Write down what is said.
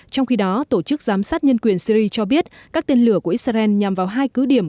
trong khi đó tổ chức giám sát nhân quyền syri cho biết các tên lửa của israel nhằm vào hai cứ điểm